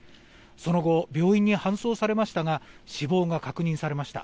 その後、病院に搬送されましたが死亡が確認されました。